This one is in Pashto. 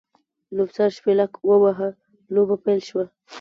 لوبڅار شپېلک ووهه؛ لوبه پیل شوه.